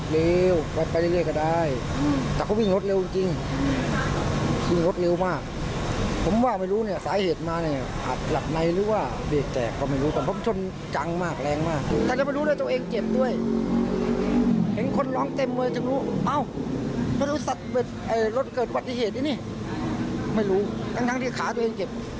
รถสัตว์เอ่อรถเกิดวัตถิเหตุนี้ไม่รู้ตั้งทั้งที่ขาตัวเองเก็บ